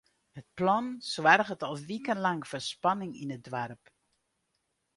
It plan soarget al wikenlang foar spanning yn it doarp.